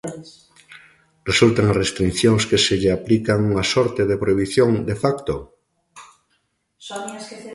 Resultan as restricións que se lle aplican unha sorte de prohibición 'de facto'?